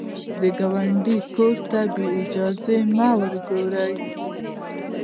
د ګاونډي کور ته بې اجازې مه ګوره